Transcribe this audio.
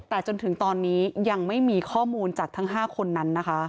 แต่จนถึงตอนนี้ยังไม่มีข้อมูลจากทั้ง๕คนนั้นนะคะ